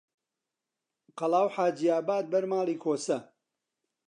قەڵا و حاجیاباد بەر ماڵی کۆسە